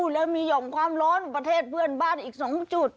แล้วมีห่อมความร้อนประเทศเพื่อนบ้านอีก๒จุด